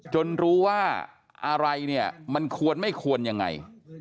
รู้ว่าอะไรเนี่ยมันควรไม่ควรยังไง